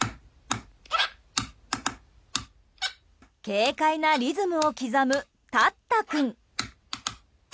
軽快なリズムを刻むタッタ君。